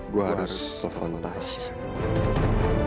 gua harus lupakan tasha